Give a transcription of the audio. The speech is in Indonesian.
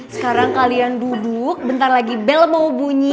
sekarang kalian duduk bentar lagi bel mau bunyi